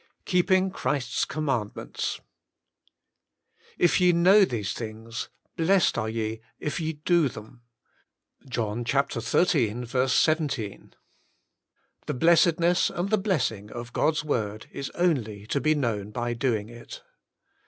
XI KEEPING Christ's commandments "If ye know these things, blessed are ye if ye do them."— John xiii. 17. The blessedness and the blessing of God's "Word is only to be known by Doing It.